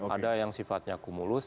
ada yang sifatnya kumulus